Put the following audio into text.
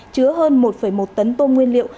chứa hơn một một tấn tôm nguyên liệu